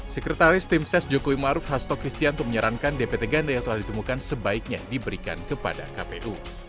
sekretaris tim ses jokowi maruf hasto kristianto menyarankan dpt ganda yang telah ditemukan sebaiknya diberikan kepada kpu